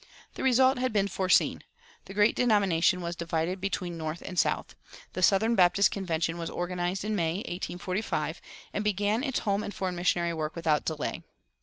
The result had been foreseen. The great denomination was divided between North and South. The Southern Baptist Convention was organized in May, 1845, and began its home and foreign missionary work without delay.